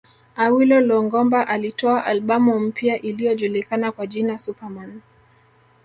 Awilo Longomba alitoa albamu mpya iliyojulikana kwa jina Super Man